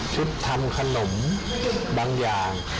ทำขนมบางอย่าง